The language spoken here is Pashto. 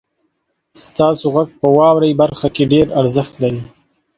ستاسو غږ په واورئ برخه کې ډیر ارزښت لري.